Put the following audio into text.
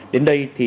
đến đây thì